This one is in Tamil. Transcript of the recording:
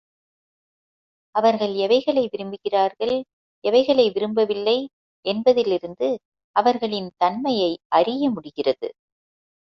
அவர்கள் எவைகளை விரும்புகிறார்கள், எவைகளை விரும்பவில்லை என்பதிலிருந்து அவர்களின் தன்மையை அறிய முடிகிறது.